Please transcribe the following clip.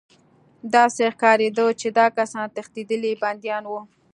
داسې ښکارېده چې دا کسان تښتېدلي بندیان وو